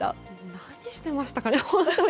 何してましたかね。